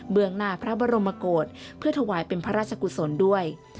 เมืองหน้าพระบรมโกศเพื่อถวายเป็นพระราชกุศลด้วย